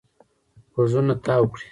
غوږونه تاو کړي.